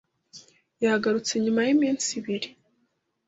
Yagarutse nyuma yiminsi ibiri.